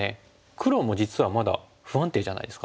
黒も実はまだ不安定じゃないですか？